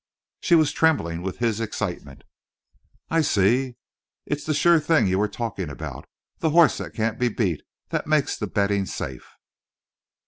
She was trembling with his excitement. "I see. It's the sure thing you were talking about. The horse that can't be beat that makes the betting safe?"